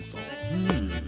うん。